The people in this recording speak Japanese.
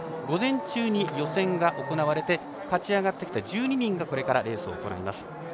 午前中に予選が行われて勝ち上がってきた１２人がこれからレースを行います。